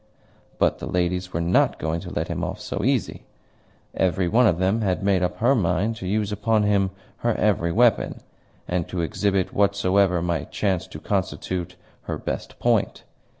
But the ladies were not going to let him off so easily. Every one of them had made up her mind to use upon him her every weapon, and to exhibit whatsoever might chance to constitute her best point.